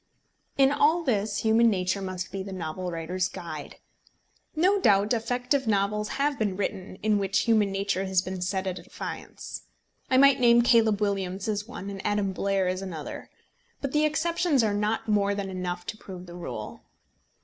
In all this human nature must be the novel writer's guide. No doubt effective novels have been written in which human nature has been set at defiance. I might name Caleb Williams as one and Adam Blair as another. But the exceptions are not more than enough to prove the rule.